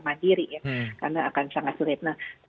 mandiri karena akan sangat sulit